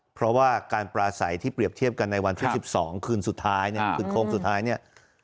เพราะว่าการปราศัยที่เปรียบเทียบกันในวันที่๑๒คืนสุดท้ายเนี่ยคืนโค้งสุดท้ายเนี่ย